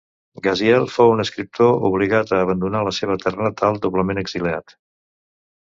Gaziel fou un escriptor obligat a abandonar la seva terra natal, doblement exiliat.